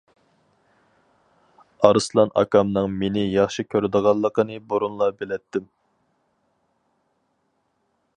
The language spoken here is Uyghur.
ئارسلان ئاكامنىڭ مېنى ياخشى كۆرىدىغانلىقىنى بۇرۇنلا بىلەتتىم.